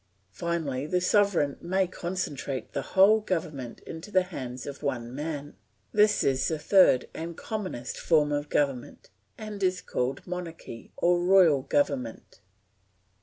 Finally, the sovereign may concentrate the whole government in the hands of one man. This is the third and commonest form of government, and is called Monarchy or royal government.